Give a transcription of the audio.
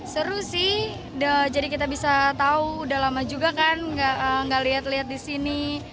seru sih jadi kita bisa tahu udah lama juga kan nggak lihat lihat di sini